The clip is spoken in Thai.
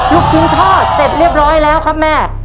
ลูกชิ้นทอดเสร็จเรียบร้อยแล้วครับแม่